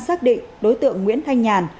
xác định đối tượng nguyễn thanh nhàn